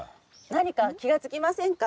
何か気が付きませんか？